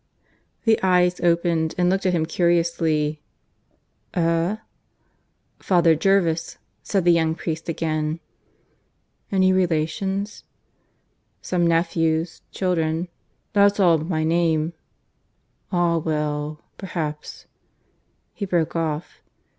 The eyes opened and looked at him curiously. "Eh?" "Father Jervis," said the young priest again. "Any relations?" "Some nephews children. That's all of my name." "Ah well! Perhaps " (He broke off).